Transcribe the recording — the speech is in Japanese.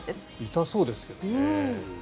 痛そうですけどね。